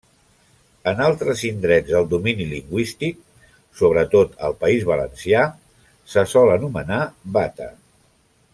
En altres indrets del domini lingüístic, sobretot al País Valencià, se sol anomenar bata.